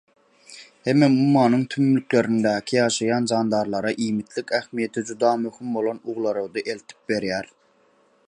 hemem ummanyň tümlüklerinde ýaşaýan jandarlara iýmitlik ähmiýeti juda möhüm bolan uglerody eltip berýär.